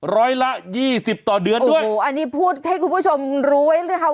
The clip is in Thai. ร้อยละ๒๐ต่อเดือนด้วยอันนี้พูดให้คุณผู้ชมรู้ไหมคะ